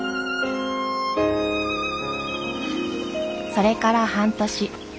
それから半年。